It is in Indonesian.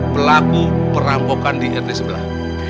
pelaku perampokan di rt sebelah